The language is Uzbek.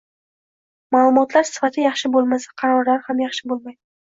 Ma'lumotlar sifati yaxshi bo'lmasa qarorlar ham yaxshi bo'lmaydi